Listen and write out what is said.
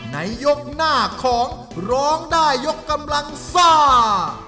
ในยกหน้าของร้องได้ยกกำลังซ่า